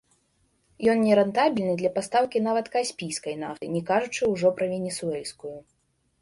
Ён нерэнтабельны для пастаўкі нават каспійскай нафты, не кажучы ўжо пра венесуэльскую.